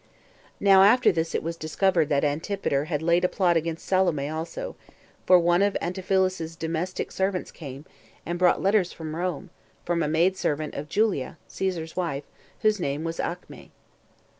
6. Now after this it was discovered that Antipater had laid a plot against Salome also; for one of Antiphilus's domestic servants came, and brought letters from Rome, from a maid servant of Julia, [Caesar's wife,] whose name was Acme.